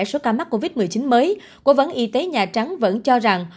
số ca mắc covid một mươi chín mới cố vấn y tế nhà trắng vẫn cho rằng